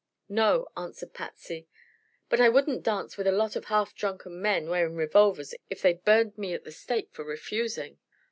"No," answered Patsy. "But I wouldn't dance with a lot of half drunken men wearing revolvers, if they burned me at the stake for refusing."